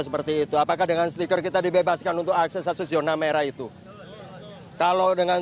seperti itu apakah dengan stiker kita dibebaskan untuk akses akses zona merah itu kalau dengan